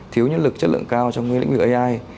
thiếu nhân lực chất lượng cao trong lĩnh vực ai